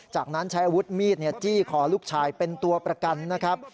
จากนั้นใช้อาวุธมีดจี้คอลูกชายเป็นตัวประกันนะครับ